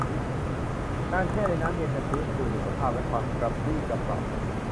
การแช่ในน้ำเย็นจะฟื้นฟูสุขภาพและความกระปรี้กระเปร่า